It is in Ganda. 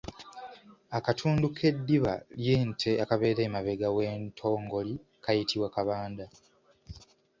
Akatundu k’eddiba ly’ente akabeera emabega w’entongoli kayitibwa kabanda.